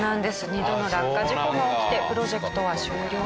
２度の落下事故が起きてプロジェクトは終了しました。